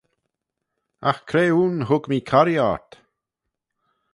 Agh cre ayn hug mee corree ort?